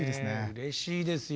うれしいですよ。